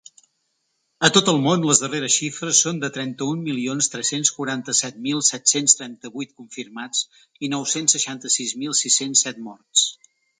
A tot el món, les darreres xifres són de trenta-un milions tres-cents quaranta-set mil set-cents trenta-vuit confirmats i nou-cents seixanta-sis mil sis-cents set morts.